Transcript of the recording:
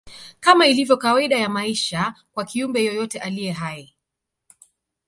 Kama ilivyo kawaida ya maisha kwa kiumbe yeyote aliye hai